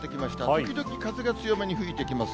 時々風が強めに吹いてきます。